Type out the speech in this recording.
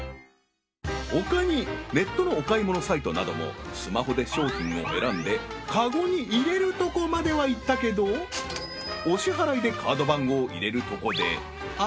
他にネットのお買い物サイトなどもスマホで商品を選んでかごに入れるとこまではいったけどお支払いでカード番号を入れるとこであ！